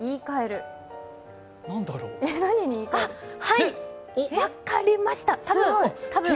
はいっ、分かりました。